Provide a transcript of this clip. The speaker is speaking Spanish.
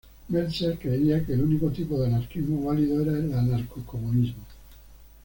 Meltzer creía que el único tipo de anarquismo válido era el anarcocomunismo.